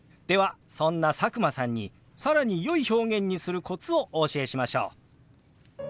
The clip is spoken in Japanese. そんな佐久間さんに更によい表現にするコツをお教えしましょう。